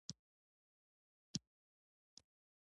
د هغه برخلیک باید د هغه محصول وي.